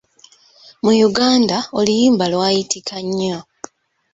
Mu Uganda, oluyimba lwayitika nnyo.